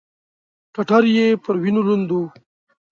ټټر يې پر وينو لوند و.